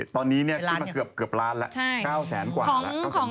ตอนนี้จนถึงกลับร้านละ๙แสน